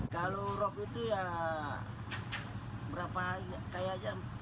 kalau rop itu ya berapa kayak jam